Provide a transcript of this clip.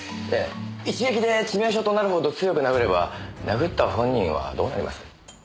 一撃で致命傷となるほど強く殴れば殴った本人はどうなります？